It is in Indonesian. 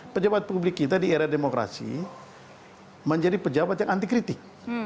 pejabat publik kita di era demokrasi menjadi pejabat yang anti kritik